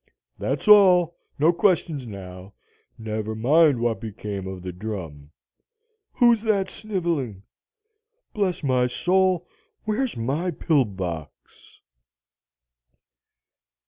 "That's all. No questions now; never mind what became of the drum. Who's that snivelling? Bless my soul, where's my pill box?"